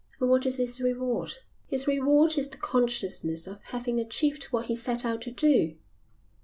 "And what is his reward?" "His reward is the consciousness of having achieved what he set out to do."